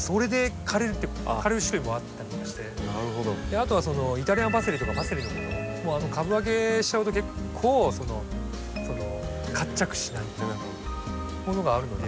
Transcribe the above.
あとはイタリアンパセリとかパセリのものも株分けしちゃうと結構その活着しないものがあるので。